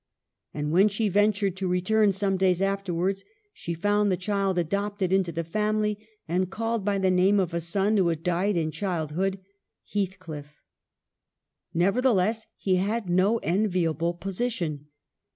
And when she ventured to return some days afterwards, she found the child adopted into the family, and called by the name of a son who had died in childhood — Heathcliff. Nevertheless, he had no enviable position.